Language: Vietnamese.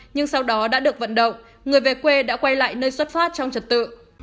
nhưng sau đó đã được vận động người về quê đã quay lại nơi xuất phát trong trật tự